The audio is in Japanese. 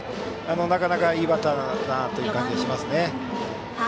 なかなかいいバッターだなという感じがしますね。